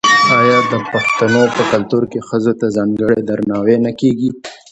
آیا د پښتنو په کلتور کې ښځو ته ځانګړی درناوی نه کیږي؟